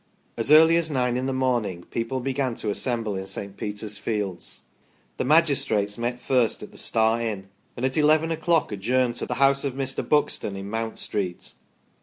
As early as nine in the morning people began to assemble in St. Peter's fields. The magistrates met first at the Star Inn and at eleven o'clock adjourned to the house of Mr. Buxton in Mount Street.